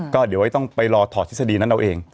ก็ต้องไปรอถอดทฤษฎีนั้นเราเอง